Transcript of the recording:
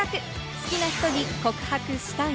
好きな人に告白したい？